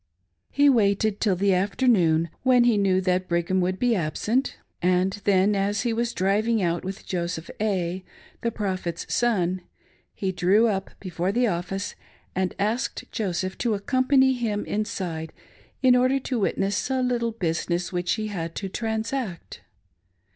He waited till the afternoon when he knew that Brigham would be absent, and then as he was driving out with Joseph A.f the Prophet's son, he drew up before the office and asked Joseph to accompany him inside in order to witness a little business which he had to transact.